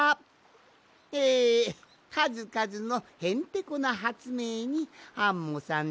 えかずかずのへんてこなはつめいにアンモさんたいへんまよいました！